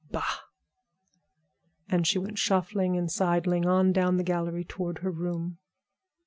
Bah!" and she went shuffling and sidling on down the gallery toward her room.